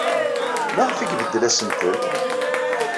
Maɣef ay ibeddel asentel?